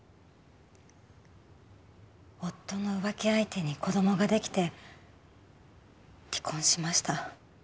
夫の浮気相手に子供が出来て離婚しました。